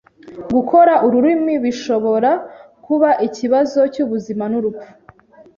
Gukora urumuri bishobora kuba ikibazo cyubuzima nurupfu.